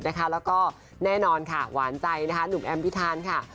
แล้วก็แน่นอนค่ะหวานใจนะคะหนุ่มแอมพิธานค่ะ